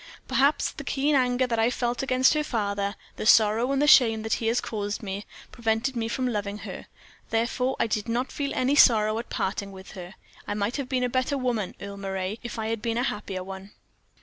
Perhaps the keen anger that I felt against her father, the sorrow and the shame that he had caused me, prevented me from loving her; therefore I did not feel any sorrow at parting with her. I might have been a better woman, Earle Moray, if I had been a happier one.